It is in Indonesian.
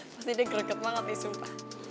masih degreget banget nih sumpah